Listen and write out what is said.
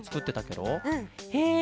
へえ。